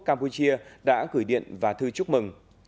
campuchia đã gửi điện và thư chúc mừng